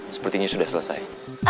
sepertinya sudah selesai